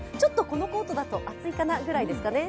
このコートだと暑いかなぐらいですかね。